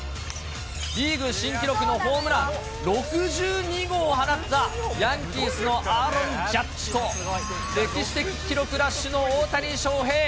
リーグ新記録のホームラン、６２号を放ったヤンキースのアーロン・ジャッジと、歴史的記録ラッシュの大谷翔平。